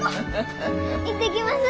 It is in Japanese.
行ってきます。